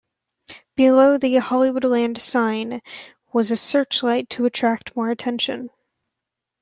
Below the Hollywoodland sign was a searchlight to attract more attention.